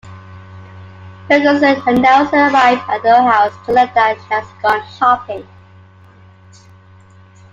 Ferguson and Nelson arrive at her house to learn that she has gone shopping.